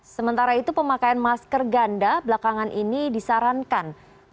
sementara itu pemakaian masker ganda belakangan ini disarankan